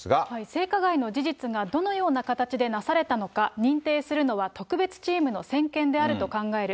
性加害の事実がどのような形でなされたのか認定するのは特別チームの専権であると考える。